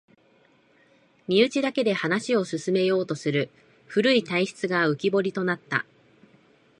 身内だけで話を進めようとする古い体質が浮きぼりとなった